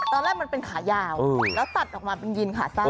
ตอนแรกมันเป็นขายาวแล้วตัดออกมาเป็นยีนขาสั้น